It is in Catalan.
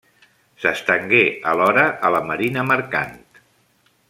S'estengué alhora a la marina mercant.